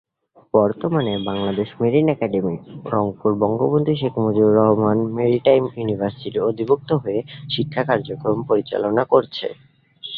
বর্তমানে Bangladesh marine academy, Rangpur Bangabandhu Sheikh Mujibur Rahman maritime ইউনিভার্সিটির অধিভুক্ত হয়ে শিক্ষা কার্যক্রম পরিচালনা করছে।